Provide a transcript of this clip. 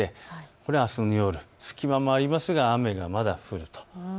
これはあすの夜隙間もありますがまだ雨が降ると。